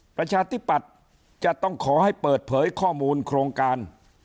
ประชาธิปัตย์จะต้องขอให้เปิดเผยข้อมูลโครงการ